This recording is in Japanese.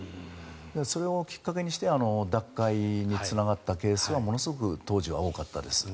それをきっかけにして脱会につながったケースはものすごく当時は多かったです。